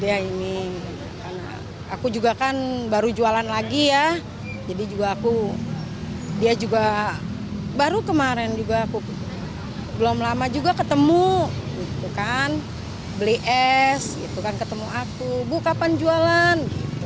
dia ini aku juga kan baru jualan lagi ya jadi juga aku dia juga baru kemarin juga aku belum lama juga ketemu beli es gitu kan ketemu aku bu kapan jualan